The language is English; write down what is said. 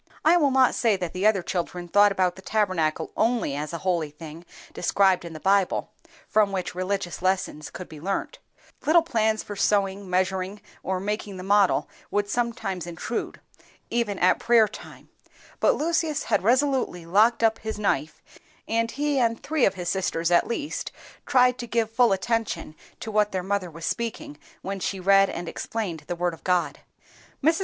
I will not say that the other children thought about the Tabernacle only as a holy thing described in the Bible, from which religious lessons could be learnt,—little plans for sewing, measuring, or making the model would sometimes intrude, even at prayer time; but Lucius had resolutely locked up his knife, and he and three of his sisters at least tried to give full attention to what their mother was speaking when she read and explained the Word of God. Mrs.